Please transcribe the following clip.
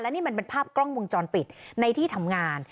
นี่มันเป็นภาพกล้องวงจรปิดในที่ทำงาน